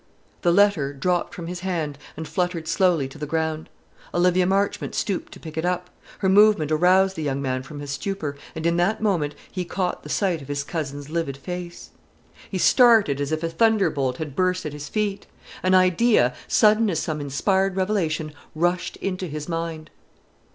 The letter dropped from his hand, and fluttered slowly to the ground. Olivia Marchmont stooped to pick it up. Her movement aroused the young man from his stupor, and in that moment he caught the sight of his cousin's livid face. He started as if a thunderbolt had burst at his feet. An idea, sudden as some inspired revelation, rushed into his mind.